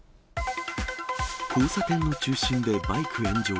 交差点の中心でバイク炎上。